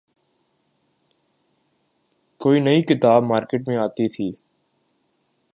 کوئی نئی کتاب مارکیٹ میں آتی تھی۔